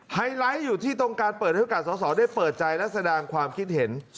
ไฮไลท์อยู่ที่ต้องการเปิดโอกาสสอสอได้เปิดใจและแสดงความคิดเห็น